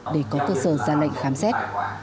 để có cơ sở ra lệnh khám xét